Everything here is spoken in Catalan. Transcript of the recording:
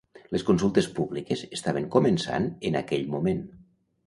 Les consultes públiques estaven començant en aquell moment.